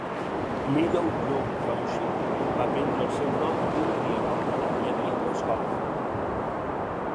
Meadow Brook Township va prendre el seu nom d'un rierol on hi havia una escola.